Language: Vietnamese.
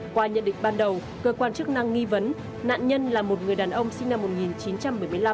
qua nhận định ban đầu cơ quan chức năng nghi vấn nạn nhân là một người đàn ông sinh năm một nghìn chín trăm bảy mươi năm